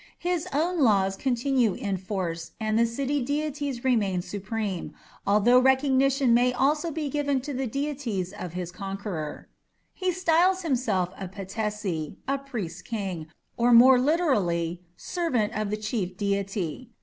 His own laws continue in force, and the city deities remain supreme, although recognition may also be given to the deities of his conqueror. He styles himself a Patesi a "priest king", or more literally, "servant of the chief deity".